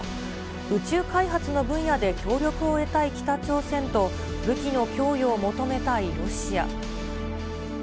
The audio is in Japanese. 宇宙開発の分野で協力を得たい北朝鮮と、武器の供与を求めたいロシア。